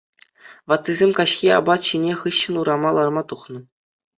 Ваттисем каҫхи апат ҫинӗ хыҫҫӑн урама ларма тухнӑ.